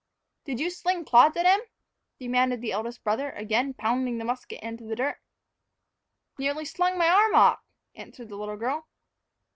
"Did you sling clods at 'em?" demanded the eldest brother, again pounding the musket into the dirt. "Nearly slung my arm off," answered the little girl.